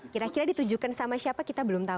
kira kira ditujukan sama siapa kita belum tahu